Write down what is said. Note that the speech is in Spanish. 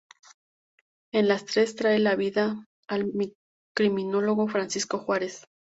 En las tres, trae a la vida al criminólogo Francisco Juárez.